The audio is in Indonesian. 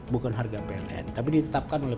bukan harga pln tapi ditetapkan oleh